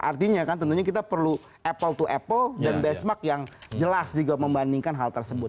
artinya kan tentunya kita perlu apple to apple dan benchmark yang jelas juga membandingkan hal tersebut